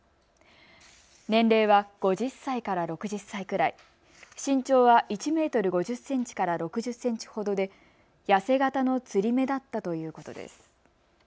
年齢は５０歳から６０歳くらい、身長は１メートル５０センチから６０センチほどで、痩せ型のつり目だったということです。